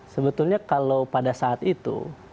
sebetulnya kalau pada saat itu